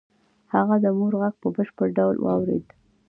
هغه د مور غږ په بشپړ ډول واورېد